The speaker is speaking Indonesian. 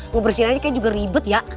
ngebersihin aja kayaknya juga ribet ya